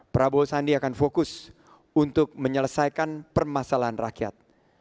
prabowo sandi akan fokus untuk menyelesaikan permasalahan rakyat